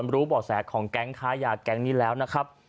รู้บ่อแสของแก๊งค้ายาแก๊งนี้แล้วนะครับ